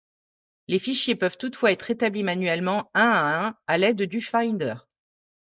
Les fichiers peuvent toutefois être rétablis manuellement un à un, à l'aide du Finder.